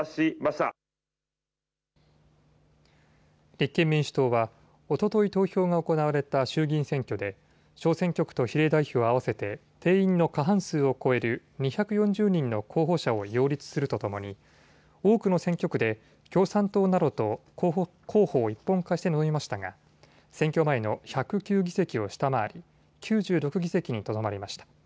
立憲民主党はおととい投票が行われた衆議院選挙で小選挙区と比例代表、合わせて定員の過半数を超える２４０人の候補者を擁立するとともに多くの選挙区で共産党などと候補を一本化して臨みましたが選挙前の１０９議席を下回り９６議席のとどまりました。